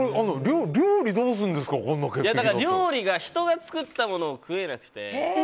料理は人が作ったものを食えなくて。